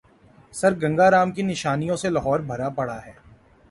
سرگنگا رام کی نشانیوں سے لاہور بھرا پڑا ہے۔